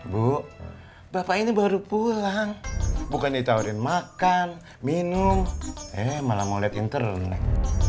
bu bapak ini baru pulang bukan ditawarin makan minum eh malah mau lihat internet